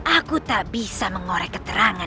aku tak bisa mengorek keterangan